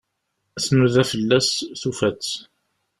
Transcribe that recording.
Tnuda fell-as, tufa-tt.